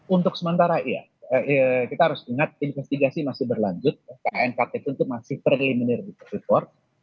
untuk sementara iya kita harus ingat investigasi masih berlanjut pnkt itu masih preliminary report